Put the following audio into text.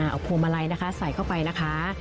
เอาพวงมาลัยนะคะใส่เข้าไปนะคะ